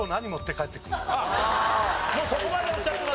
もうそこまでおっしゃってますか。